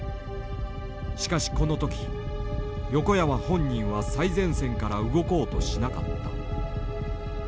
しかしこの時横山本人は最前線から動こうとしなかった。